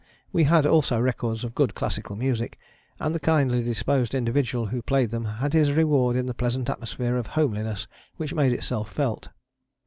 We had also records of good classical music, and the kindly disposed individual who played them had his reward in the pleasant atmosphere of homeliness which made itself felt.